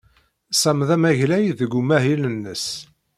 Sam d amaglay deg umahil-nnes.